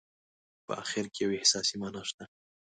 په اخر کې یوه احساسي معنا شته.